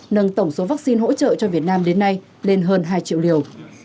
nâng tổng số vaccine hỗ trợ cho việt nam đến nay lên hơn hai triệu liều